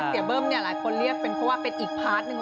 เบิ้มเนี่ยหลายคนเรียกเป็นเพราะว่าเป็นอีกพาร์ทหนึ่ง